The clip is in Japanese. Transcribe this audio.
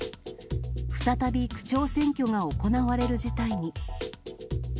再び区長選挙が行われる事態に。